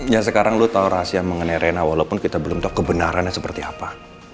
ya sekarang lu tahu rahasia mengenai rena walaupun kita belum tahu kebenarannya seperti apa